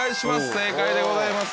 正解でございます。